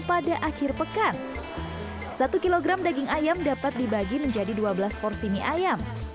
pada akhir pekan satu kg daging ayam dapat dibagi menjadi dua belas porsi mie ayam